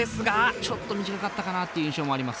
ちょっと短かったかなっていう印象もあります。